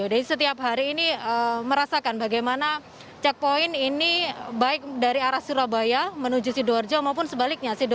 jadi setiap hari ini merasakan bagaimana checkpoint ini baik dari arah surabaya menuju sidoarjo maupun sebaliknya